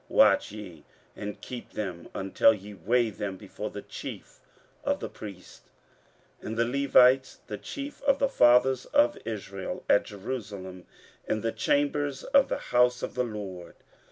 15:008:029 Watch ye, and keep them, until ye weigh them before the chief of the priests and the Levites, and chief of the fathers of Israel, at Jerusalem, in the chambers of the house of the LORD.